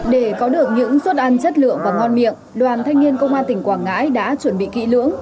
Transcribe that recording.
để có được những suất ăn chất lượng và ngon miệng đoàn thanh niên công an tỉnh quảng ngãi đã chuẩn bị kỹ lưỡng